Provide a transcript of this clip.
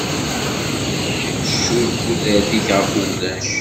Tcudd tudert-ik ɣef wulac.